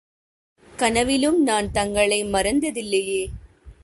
கனவிலும் நான் தங்களை மறந்ததில்லையே!